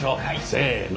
せの。